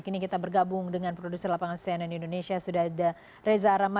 kini kita bergabung dengan produser lapangan cnn indonesia sudah ada reza rama